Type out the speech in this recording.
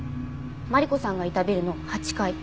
マリコさんがいたビルの８階。